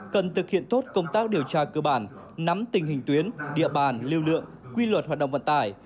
cần thực hiện tốt công tác điều tra cơ bản nắm tình hình tuyến địa bàn lưu lượng quy luật hoạt động vận tải